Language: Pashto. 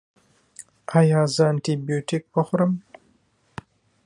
ایا زه انټي بیوټیک وخورم؟